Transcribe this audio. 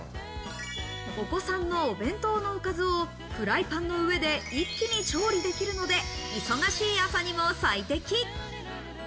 お子さんのお弁当のおかずをフライパンの上で一気に調理できるので、忙しい朝にも最適。